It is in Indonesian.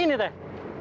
eh teh teh teh